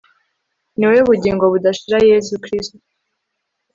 r/ ni wowe bugingo budashira, yezu kristu